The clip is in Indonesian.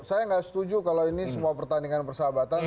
saya nggak setuju kalau ini semua pertandingan persahabatan